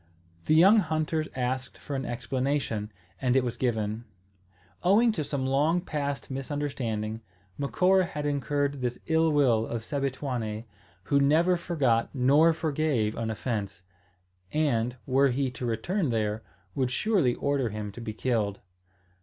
The young hunters asked for an explanation, and it was given. Owing to some long past misunderstanding, Macora had incurred this ill will of Sebituane, who never forgot nor forgave an offence, and, were he to return there, would surely order him to be killed.